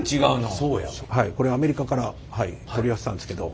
これアメリカから取り寄せたんですけど。